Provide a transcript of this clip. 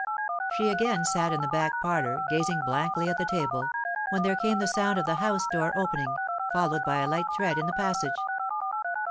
She again sat in the back parlour, gazing blankly at the table, when there came the sound of the house door opening, followed by a light tread in the passage.